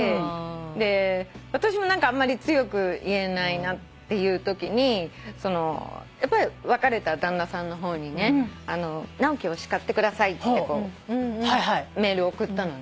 で私も何かあんまり強く言えないなっていうときにその別れた旦那さんの方にね直樹を叱ってくださいってメールを送ったのね。